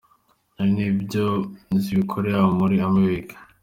Hari n’ibyo zibakorera muri Army week.